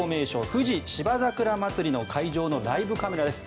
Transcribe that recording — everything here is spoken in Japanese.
富士芝桜まつりの会場のライブカメラです。